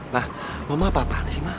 nah mama apa apaan sih ma